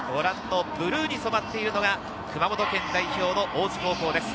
ブルーに染まっているのが熊本県代表の大津高校です。